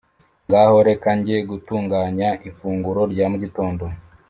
ngaho reka njye gutunganya ifunguro rya mugitondo